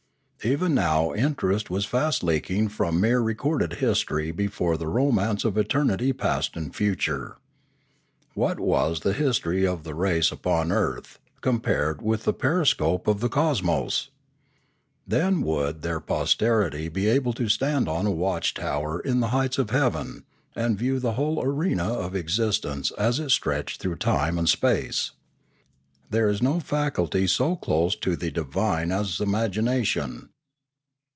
Even now interest was fast leaking from mere recorded history before the romance of eternity past and future. What was the history of the race upon earth, compared with the periscope of the cosmos ? Then would their posterity be able to stand on a watch tower in the heights of heaven, and view the whole arena of exist ence as it stretched through time and space. There is no faculty so close to the divine as imagination.